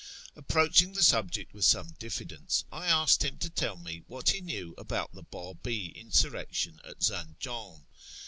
Approaching the subject with some diffidence, I asked him to tell me what he knew about the Babi insur rection at Zanjan.